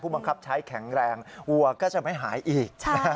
บังคับใช้แข็งแรงวัวก็จะไม่หายอีก